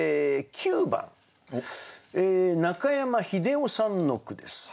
９番中山英夫さんの句です。